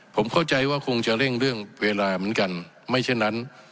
ผมเข้าใจว่าคงจะเร่งเรื่องเวลาเหมือนกันไม่เช่นนั้น